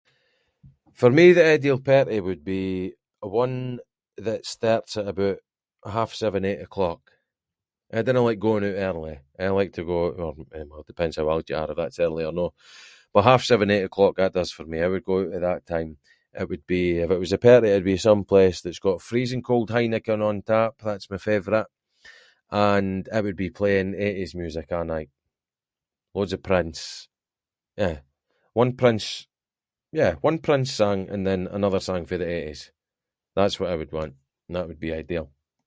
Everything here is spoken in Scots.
For me the ideal party would be one that’s starts at aboot half-seven, eight o’clock. I dinna like going oot early, I like to go oot [inc] well depends how old you are if it’s early or not, but half-seven, eight o’clock that does for me, I would go out at that time. It would be, if it was a party it would be someplace that’s got freezing cold Heineken on tap, that’s my favourite, and it would be playing eighties music a’ night, loads of Prince, eh, one Prince- yeah, one Prince song and then another song fae the eighties, that’s what I would want and that would be ideal.